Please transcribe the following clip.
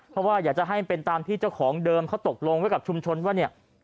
เพราะว่าอยากจะให้เป็นตามที่เจ้าของเดิมเขาตกลงไว้กับชุมชนว่าเนี่ย